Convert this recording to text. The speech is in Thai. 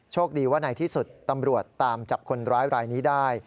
ดีว่าในที่สุดตำรวจตามจับคนร้ายรายนี้ได้